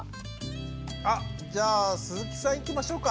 あっじゃあ鈴木さんいきましょうか。